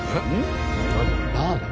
ラーメン？